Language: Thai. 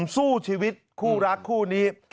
สู้ชีวิตคู่รักคู่นี้